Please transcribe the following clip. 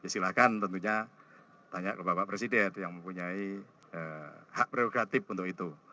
silahkan tentunya tanya ke bapak presiden yang mempunyai hak prerogatif untuk itu